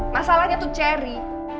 masalahnya tuh ceri